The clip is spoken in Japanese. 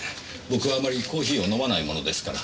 僕はあまりコーヒーを飲まないものですから。